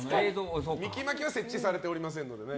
ミキ・マキは設置されておりませんのでね。